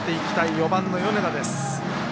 ４番の米田です。